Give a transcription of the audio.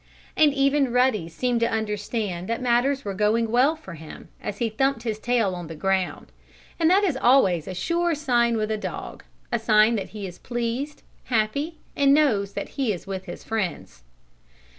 And even Ruddy seemed to understand that matters were going well for him, as he thumped his tail on the ground. And that always is a sure sign with a dog a sign that he is pleased, happy and knows that he is with his friends.